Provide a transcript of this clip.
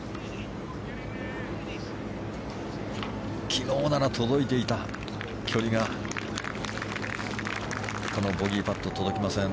昨日なら届いていた距離がこのボギーパット届きません。